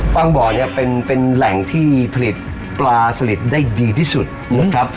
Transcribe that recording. บ่อเนี่ยเป็นแหล่งที่ผลิตปลาสลิดได้ดีที่สุดนะครับ